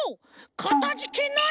かたじけない！